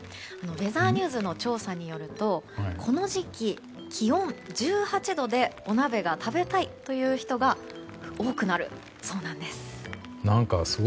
ウェザーニューズの調査によるとこの時期、気温１８度でお鍋が食べたいという人が多くなるそうなんです。